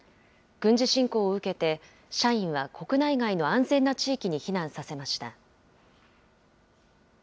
軍事侵攻を受けて、社員は国内外の安全な地域に避難させました。